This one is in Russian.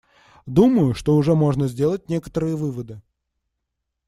Думаю, что уже можно сделать некоторые выводы.